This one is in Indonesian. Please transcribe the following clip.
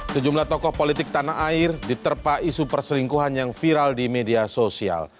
sejumlah tokoh politik tanah air diterpa isu perselingkuhan yang viral di media sosial